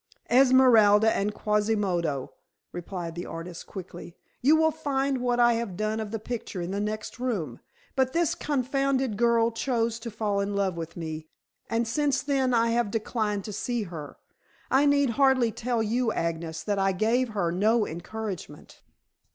"Esmeralda and Quasimodo," replied the artist quickly. "You will find what I have done of the picture in the next room. But this confounded girl chose to fall in love with me, and since then I have declined to see her. I need hardly tell you, Agnes, that I gave her no encouragement."